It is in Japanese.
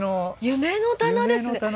夢の棚ですよね。